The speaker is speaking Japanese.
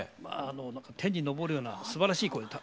天に昇るようなすばらしい声歌。